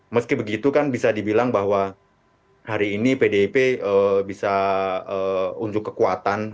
meski begitu kan bisa dibilang bahwa hari ini pdip bisa unjuk kekuatan